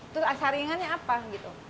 terus saringannya apa gitu